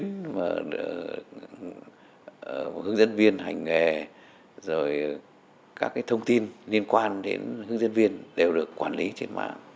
các cái thông tin liên quan đến hướng dẫn viên hành nghề rồi các cái thông tin liên quan đến hướng dẫn viên đều được quản lý trên mạng